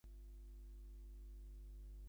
আমার দোয়া রইল তোদের সাথে।